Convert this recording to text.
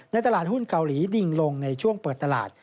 ตลาดหุ้นเกาหลีดิ่งลงในช่วงเปิดตลาด